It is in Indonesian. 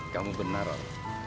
kamu benar or